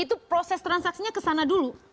itu proses transaksinya kesana dulu